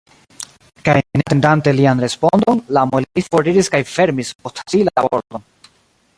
Kaj ne atendante lian respondon, la muelisto foriris kaj fermis post si la pordon.